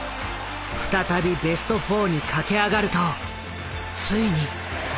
再びベスト４に駆け上がるとついに。